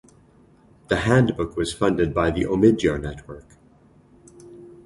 The handbook was funded by the Omidyar Network.